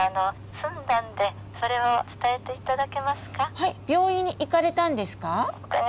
はい病院に行かれたんですか？